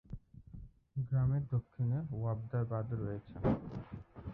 গ্রামের দক্ষিণে ওয়াপদা বাঁধ রয়েছে।